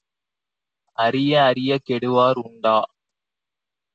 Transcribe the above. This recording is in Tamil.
அறிய அறியக் கெடுவார் உண்டா?